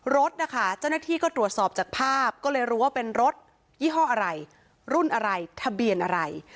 รถนะคะเจ้าหน้าที่ก็ตรวจสอบจากภาพก็เลยรู้ว่าเป็นรถยี่ห้ออะไรรุ่นอะไรทะเบียนอะไร